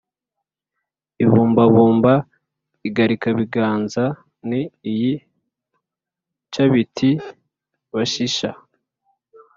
ibumbabumba igarikabiganza ni iyi nshabiti bashisha,